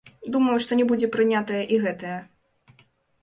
Думаю, што не будзе прынятая і гэтая.